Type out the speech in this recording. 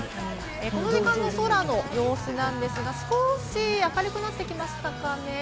この時間の空の様子なんですが少し明るくなってきましたかね。